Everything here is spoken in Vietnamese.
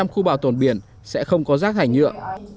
một trăm khu bảo tồn biển sẽ không có rác thải nhựa